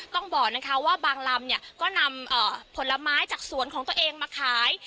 ต้องบอกนะคะว่าบางลำเนี่ยก็นำผลไม้จากสวนของตัวเองมาขาย